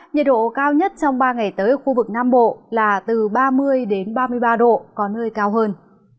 nhiệt độ cao nhất trong ba ngày tới ở khu vực nam bộ là từ ba mươi ba mươi ba độ có nơi cao hơn